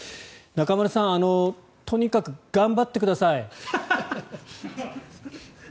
中丸さんとにかく頑張ってください。